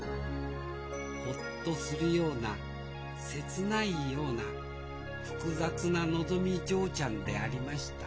ほっとするような切ないような複雑なのぞみ嬢ちゃんでありました